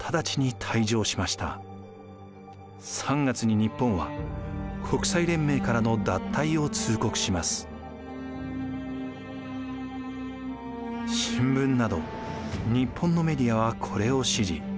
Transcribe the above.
３月に日本は新聞など日本のメディアはこれを支持。